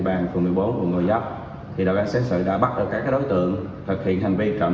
bàn phường một mươi bốn quận người dấp đội cảnh sát hành sự đã bắt được các đối tượng thực hiện hành vi trộm